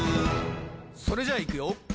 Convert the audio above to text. それじゃいくよ